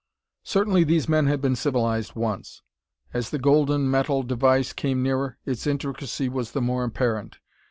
Certainly these men had been civilized once. As the golden metal device came nearer, its intricacy was the more apparent.